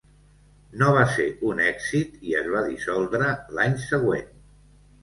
No va ser un èxit i es va dissoldre l'any següent.